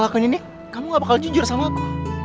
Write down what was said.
makasih ya udah jujur sama aku